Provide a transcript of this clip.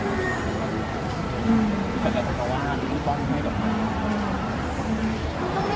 ถ้าแต่กับเราแล้วก็ไม่ภายประโยชน์